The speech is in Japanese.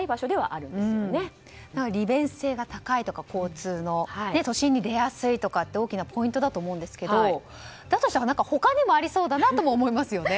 交通の利便性が高いとか都心に出やすいとか大きなポイントだと思いますがだとしたら、他にもありそうだなと思いますよね。